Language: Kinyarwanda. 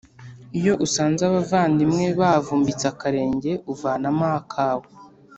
Iyo usanze abavandimwe bavumbitse akarenge uvanamo akawe.